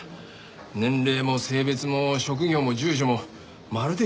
年齢も性別も職業も住所もまるで共通点がない。